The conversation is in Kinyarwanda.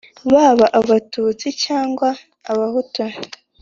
baba abatutsi cyangwa abahutu,